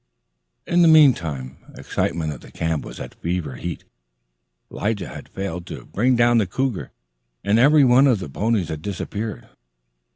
In the meantime, excitement at the camp was at fever heat. Lige had failed to bring down the cougar and every one of the ponies had disappeared.